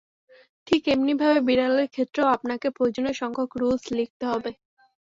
ঠিক এমনি ভাবে বিড়ালের ক্ষেত্রেও আপনাকে প্রয়োজনীয় সংখ্যক রুলস লিখতে হবে।